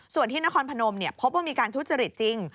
ส่วนที่นครพนมพบว่ามีการทุจริตจริง